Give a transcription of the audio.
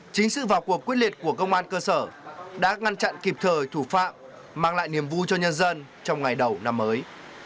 chính sự vào cuộc quyết liệt của công an cơ sở đã ngăn chặn kịp thời thủ phạm mang lại niềm vui cho nhân dân trong ngày đầu năm mới